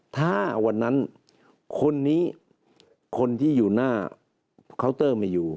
ถ้าวันนั้นคนนี้คนที่อยู่หน้าเคาน์เตอร์ไม่อยู่